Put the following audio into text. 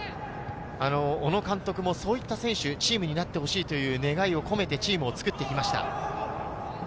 小野監督もそういった選手、チームになってほしいという願いを込めてチームを作ってきました。